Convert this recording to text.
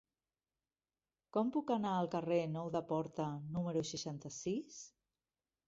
Com puc anar al carrer Nou de Porta número seixanta-sis?